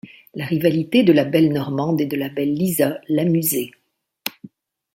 La rivalité de la belle Normande et de la belle Lisa l’amusait.